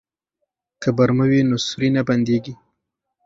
که برمه وي نو سوري نه بنديږي.